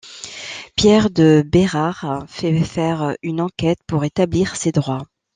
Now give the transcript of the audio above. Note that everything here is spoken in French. Pierre de Bérard fait faire une enquête pour établir ses droits.